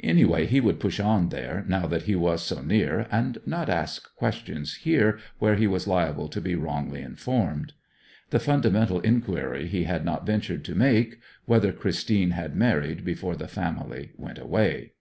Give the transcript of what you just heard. Anyhow he would push on there now that he was so near, and not ask questions here where he was liable to be wrongly informed. The fundamental inquiry he had not ventured to make whether Christine had married before the family went away.